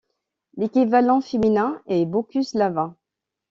L'équivalent féminin est Bogusława.